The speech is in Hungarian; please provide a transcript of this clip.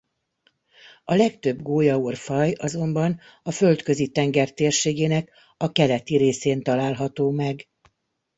A legtöbb gólyaorr-faj azonban a Földközi-tenger térségének a keleti részén található meg.